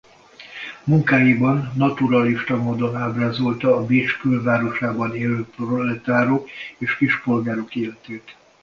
Munkáiban naturalista módon ábrázolta a Bécs külvárosában élő proletárok és kispolgárok életét.